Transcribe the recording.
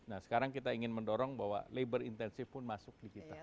nah sekarang kita ingin mendorong bahwa labor intensive pun masuk di kita